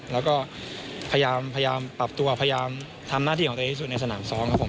แล้วก็พยายามปรับตัวพยายามทำหน้าที่ของตัวเองที่สุดในสนามซ้อมครับผม